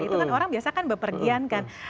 itu kan orang biasa kan bepergian kan